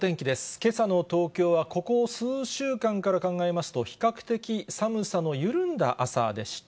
けさの東京はここ数週間から考えますと、比較的寒さの緩んだ朝でした。